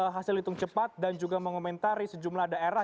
hasil hitung cepat dan juga mengomentari sejumlah daerah